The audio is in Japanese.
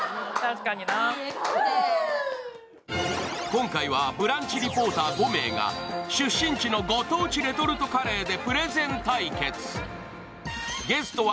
今回はブランチリポーター５名が出身地のご当地レトルトカレーでプレゼン対決。